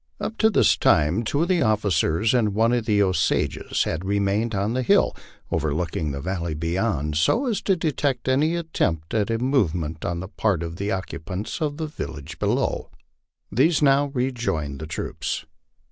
Up to this time two of the offi cers and one of the Osages had remained on the hill overlooking the valley beyond, so as to detect any attempt at a movement on the part of the occu pants of the village below. These now rejoined the troops.